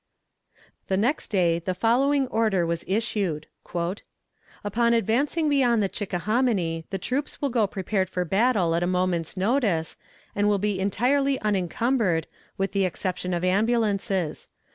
The next day the following order was issued: "Upon advancing beyond the Chickahominy the troops will go prepared for battle at a moment's notice, and will be entirely unencumbered, with the exception of ambulances.